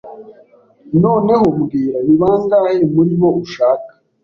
Noneho mbwira, ni bangahe muri bo ushaka?